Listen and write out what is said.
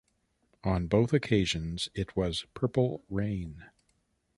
On both occasions it was "Purple Rain".